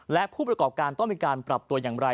และผู้ประกอบการต้องมีการปรับตัวอย่างไร